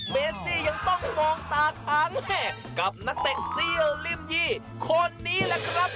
เมซี่ยังต้องมองตาค้างกับนักเตะเซี่ยวริมยี่คนนี้แหละครับ